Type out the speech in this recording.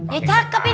ya cakep ini mas